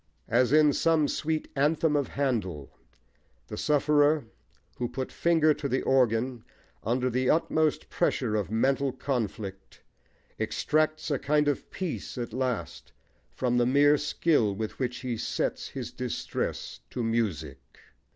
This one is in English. As in some sweet anthem of Handel, the sufferer, who put finger to the organ under the utmost pressure of mental conflict, extracts a kind of peace at last from the mere skill with which he sets his distress to music.